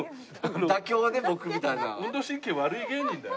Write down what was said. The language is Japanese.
妥協で僕みたいな。